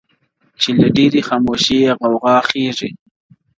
چي له ډېري خاموشۍ یې غوغا خېژې,